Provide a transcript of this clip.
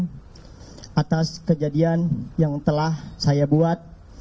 dan meminta maaf kepada seluruh umat muslim atas kejadian yang telah saya buat